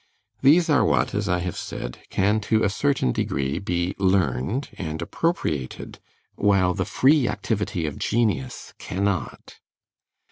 These are what, as I have said, can to a certain degree be learned and appropriated, while the free activity of genius cannot.